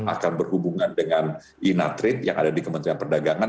akan berhubungan dengan inatrade yang ada di kementerian perdagangan